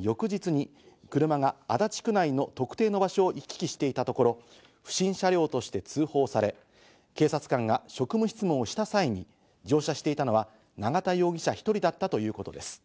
翌日に車が足立区内の特定の場所を行き来していたところ、不審車両として通報され、警察官が職務質問をした際に乗車していたのは永田容疑者１人だったということです。